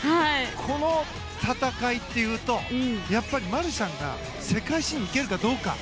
この戦いっていうとやっぱりマルシャンが世界新行けるかどうか。